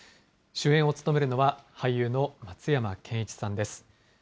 主演を務めるのは、俳優の松山ケンイチさんです。